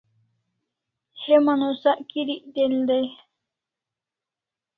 Heman o sak kirik del dai